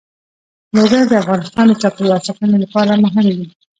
لوگر د افغانستان د چاپیریال ساتنې لپاره مهم دي.